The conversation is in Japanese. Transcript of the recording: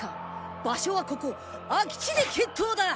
場所はここ空き地で決闘だ！